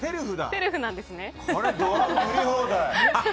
セルフなんですね。